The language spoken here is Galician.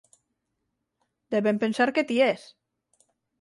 Deben pensar que ti es